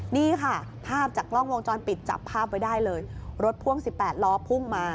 นี่ค่ะภาพจากกล้องวงจรปิดจับภาพไว้ได้เลยรถพ่วง๑๘ล้อพุ่งมา